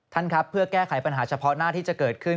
ท่านครับเพื่อแก้ไขปัญหาเฉพาะหน้าที่จะเกิดขึ้น